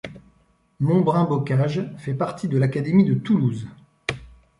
Montbrun-Bocage fait partie de l'académie de Toulouse.